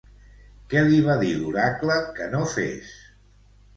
Què li va dir l'oracle que no fes?